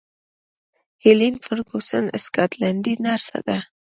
هیلن فرګوسن سکاټلنډۍ نرسه ده.